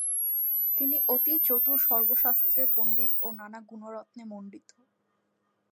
তিনি অতি চতুর সর্বশাস্ত্রে পণ্ডিত ও নানা গুণরত্নে মণ্ডিত।